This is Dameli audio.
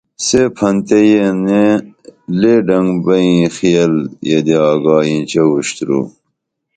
سے پھنتے یینے لے ڈنگ بیں خِیل یدے آگا انیچہ اُشترو